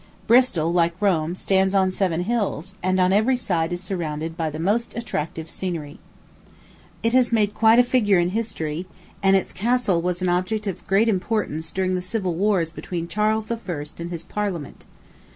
Bristol, like Rome, stands on seven hills, and on every side is surrounded by the most attractive scenery. It has made quite a figure in history, and its castle was an object of great importance during the civil wars between Charles I. and his Parliament.